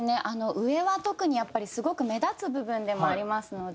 上は特にやっぱりすごく目立つ部分でもありますので。